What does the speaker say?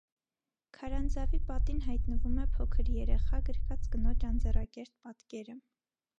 Քարանձավի պատին հայտնվում է փոքր երեխա գրկած կնոջ անձեռակերտ պատկերը։